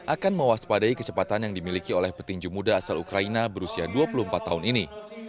akan mewaspadai kecepatan yang dimiliki oleh petinju muda asal ukraina berusia dua puluh empat tahun ini